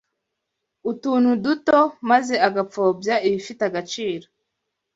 utuntu duto maze agapfobya ibifite agaciro